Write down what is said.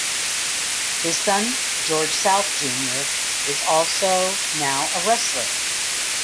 His son, George South Junior is also now a wrestler.